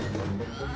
ああ！